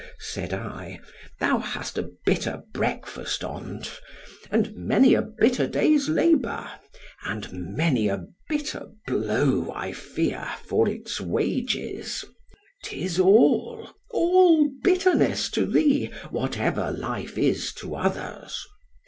_ said I, thou hast a bitter breakfast on't—and many a bitter day's labour,—and many a bitter blow, I fear, for its wages——'tis all—all bitterness to thee, whatever life is to others.